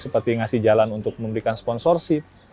seperti ngasih jalan untuk memberikan sponsorship